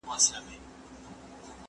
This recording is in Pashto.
په ښراوو، په بد نوم او په ښکنځلو